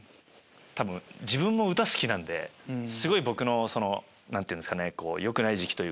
多分自分も歌好きなんで僕の何て言うんですかねよくない時期というか。